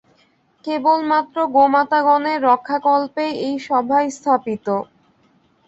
কেবলমাত্র গোমাতাগণের রক্ষাকল্পেই এই সভা স্থাপিত।